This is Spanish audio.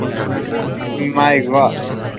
My God!!